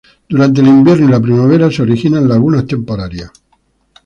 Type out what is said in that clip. Durante el invierno y la primavera se originan lagunas temporarias.